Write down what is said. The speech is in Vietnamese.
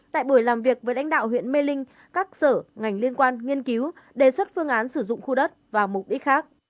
tại buổi làm việc với lãnh đạo huyện mê linh các sở ngành liên quan nghiên cứu đề xuất phương án sử dụng khu đất vào mục đích khác